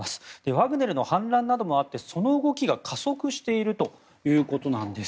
ワグネルの反乱などもあってその動きが加速しているということなんです。